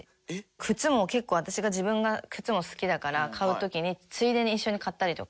靴も結構私が自分が靴も好きだから買う時についでに一緒に買ったりとか。